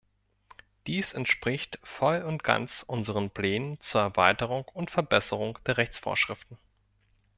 Dies entspricht voll und ganz unseren Plänen zur Erweiterung und Verbesserung der Rechtsvorschriften.